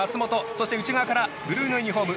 そして、内側からブルーのユニフォーム